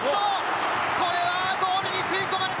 これはゴールに吸い込まれた。